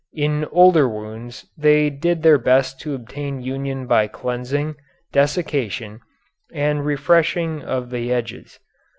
In older wounds they did their best to obtain union by cleansing, desiccation, and refreshing of the edges.